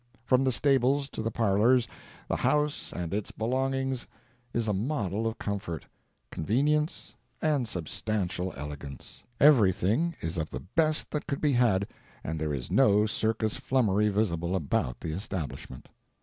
From the stables to the parlors, the house and its belongings is a model of comfort, convenience and substantial elegance; everything is of the best that could be had, and there is no circus flummery visible about the establishment.